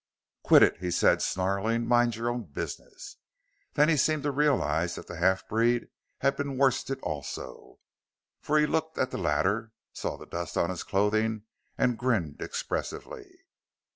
"Quit it!" he said, snarling. "Mind your own business!" Then he seemed to realize that the half breed had been worsted also, for he looked at the latter, saw the dust on his clothing and grinned expressively.